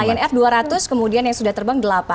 lion f dua ratus kemudian yang sudah terbang delapan